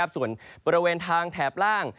ส่วนบริเวณทางแถบล่าง